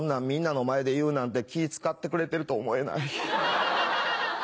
みんなの前で言うなんて気ぃ使ってくれてると思えない。